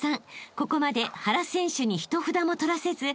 ここまで原選手に１札も取らせず２５対２０］